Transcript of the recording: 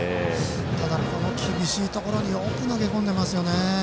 ただ、厳しいところによく投げ込んでいますね。